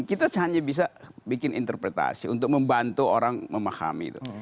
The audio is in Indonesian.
kita hanya bisa bikin interpretasi untuk membantu orang memahami itu